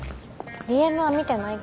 ＤＭは見てないけど。